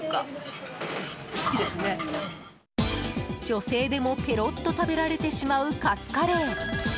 女性でもペロッと食べられてしまうカツカレー。